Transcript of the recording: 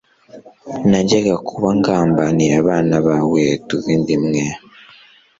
najyaga kuba ngambaniye abana bawe tuva inda imwe